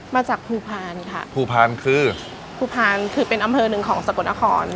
มาจากภูพานค่ะภูพาลคือภูพานคือเป็นอำเภอหนึ่งของสกลนคร